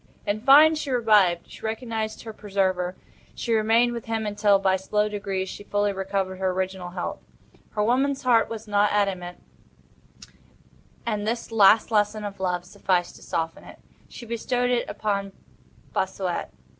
In fine, she revived. She recognized her preserver. She remained with him until, by slow degrees, she fully recovered her original health. Her woman's heart was not adamant, and this last lesson of love sufficed to soften it. She bestowed it upon Bossuet.